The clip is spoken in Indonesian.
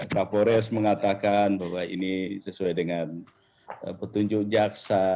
kapolres mengatakan bahwa ini sesuai dengan petunjuk jaksa